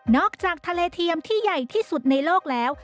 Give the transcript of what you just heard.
จากทะเลเทียมที่ใหญ่ที่สุดในโลกแล้ว